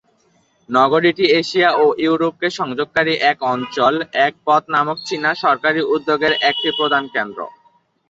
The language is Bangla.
নগরীটি এশিয়া ও ইউরোপকে সংযোগকারী এক অঞ্চল, এক পথ নামক চীনা সরকারী উদ্যোগের একটি প্রধান কেন্দ্র।